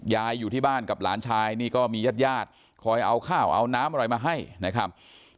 อยู่ที่บ้านกับหลานชายนี่ก็มีญาติญาติคอยเอาข้าวเอาน้ำอะไรมาให้นะครับ